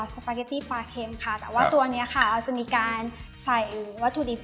สปาเกตตี้ปลาเค็มค่ะแต่ว่าตัวนี้ค่ะเราจะมีการใส่วัตถุดิบ